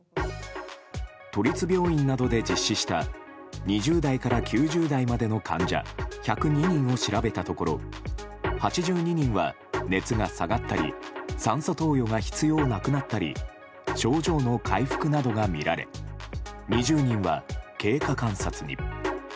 都立病院などで実施した２０代から９０代までの患者１０２人を調べたところ８２人は熱が下がったり酸素投与が必要なくなったり症状の回復などが見られ２０人は経過観察に。